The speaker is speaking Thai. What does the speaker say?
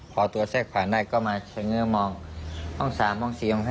พอตัวแทรกผ่านได้ก็มองห้อง๓ห้อง๔ห้อง๕